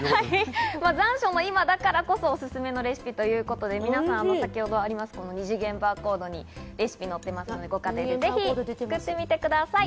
残暑の今だからこそ、おすすめレシピということで二次元バーコードにレシピが載ってますので、ご家庭でぜひ作ってみてください。